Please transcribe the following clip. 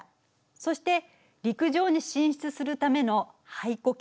そして陸上に進出するための肺呼吸。